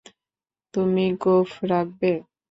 তুমি গোঁফ রাখবে!